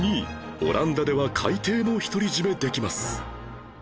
オランダでは海底も独り占めできます